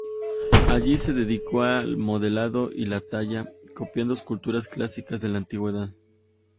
Allí se dedicó al modelado y la talla, copiando esculturas clásicas de la antigüedad.